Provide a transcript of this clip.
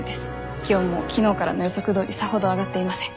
気温も昨日からの予測どおりさほど上がっていません。